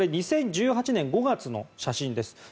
２０１８年５月の写真です。